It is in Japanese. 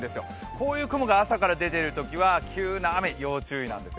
こういう雲が朝から出ているときは急な雨に要注意です。